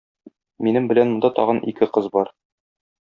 Минем белән монда тагын ике кыз бар.